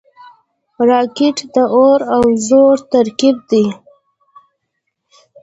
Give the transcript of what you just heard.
راکټ د اور او زور ترکیب دی